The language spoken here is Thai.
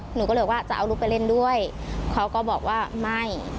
หนูก็เลยว่าจะเอาลูกไปเล่นด้วยเขาก็บอกว่าไม่